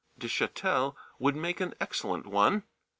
[de Châtel] would make an excellent one.